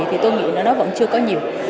thì tôi nghĩ nó vẫn chưa có nhiều